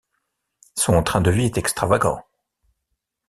Son train de vie est extravagant.